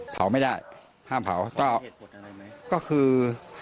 เขากลัวจะหลายมือ